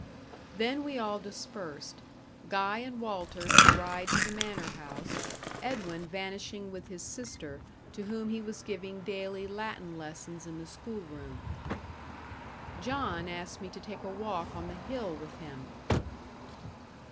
Then we all dispersed; Guy and Walter to ride to the manor house, Edwin vanishing with his sister, to whom he was giving daily Latin lessons in the school room. John asked me to take a walk on the hill with him.